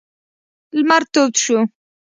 لمر تود شو.